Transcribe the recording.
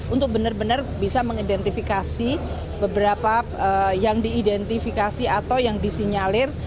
untuk benar benar bisa mengidentifikasi beberapa yang diidentifikasi atau yang disinyalir